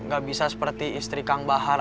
gak bisa seperti istri kang bahar